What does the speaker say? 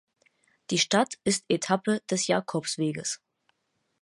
Die Stadt ist Etappe des Jakobsweges.